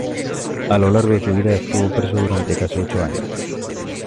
A lo largo de su vida estuvo preso durante casi ocho años.